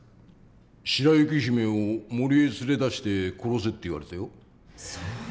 白雪姫を森へ連れ出して殺せって言われたよ。